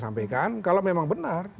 sampaikan kalau memang benar